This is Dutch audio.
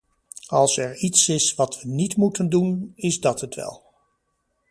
Als er iets is wat we niet moeten doen is het dat wel.